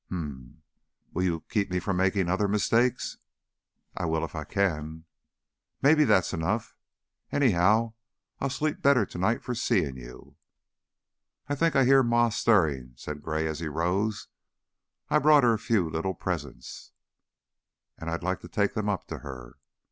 "Hm m! Will you keep me from makin' other mistakes?" "I will, if I can." "Mebbe that's enough. Anyhow, I'll sleep better to night for seein' you." "I think I hear Ma stirring," said Gray, as he rose. "I brought her a few little presents, and I'd like to take them up to her."